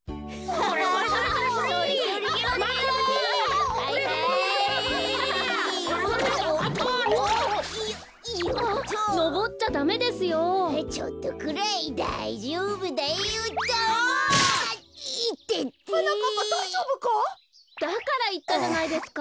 はなかっぱだいじょうぶか？だからいったじゃないですか。